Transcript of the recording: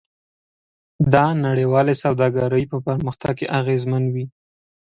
دا نړیوالې سوداګرۍ په پرمختګ کې اغیزمن وي.